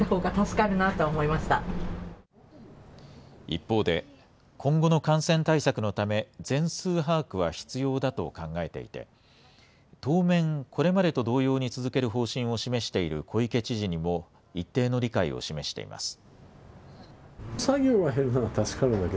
一方で、今後の感染対策のため、全数把握は必要だと考えていて、当面、これまでと同様に続ける方針を示している小池知事にも、一定の理解を示しています。